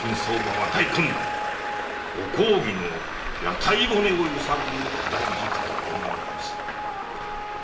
ご公儀の屋台骨を揺さぶる大事かと思われます。